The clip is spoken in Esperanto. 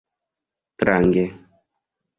Strange.